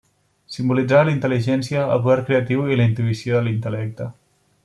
Simbolitzava la intel·ligència, el poder creatiu i la intuïció de l'intel·lecte.